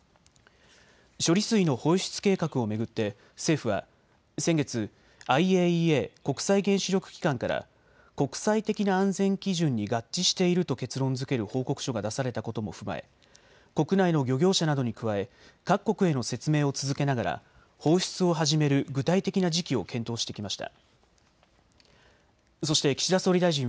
処理水の放出計画を巡って政府は先月、ＩＡＥＡ・国際原子力機関から国際的な安全基準に合致していると結論づける報告書が出されたことも踏まえ、国内の漁業者などに加え各国への説明を続けながら放出を始める具体的な時期を検討してきました。